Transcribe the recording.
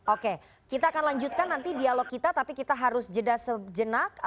oke kita akan lanjutkan nanti dialog kita tapi kita harus jeda sejenak